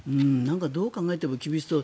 どう考えても厳しそう。